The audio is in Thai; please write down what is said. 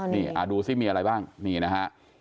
นี่ดูสิมีอะไรบ้างนี่นะฮะ